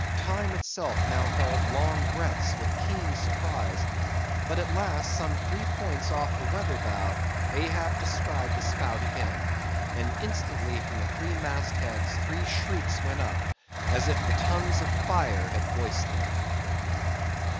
Time itself now held long breaths with keen suspense. But at last, some three points off the weather bow, Ahab descried the spout again, and instantly from the three mast heads three shrieks went up as if the tongues of fire had voiced it.